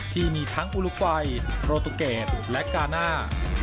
ที่มีทั้งอุลุกัยโรตูเกตและกาน่า